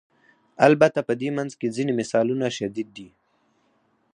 البته په دې منځ کې ځینې مثالونه شدید دي.